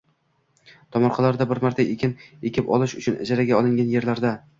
tomorqalarda, bir marta ekin ekib olish uchun ijaraga olingan yerlarda